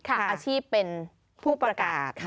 อาชีพเป็นผู้ประกาศ